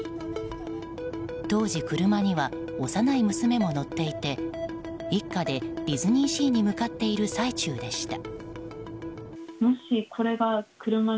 当時、車には幼い娘も乗っていて一家でディズニーシーに向かっている最中でした。